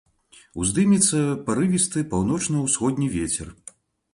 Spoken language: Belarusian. Уздымецца парывісты паўночна-ўсходні вецер.